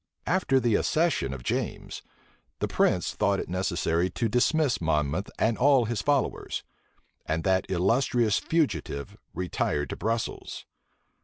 After the accession of James, the prince thought it necessary to dismiss Monmouth and all his followers; and that illustrious fugitive retired to Brussels.